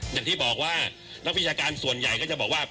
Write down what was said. อย่างที่บอกว่านักวิชาการส่วนใหญ่ก็จะบอกว่า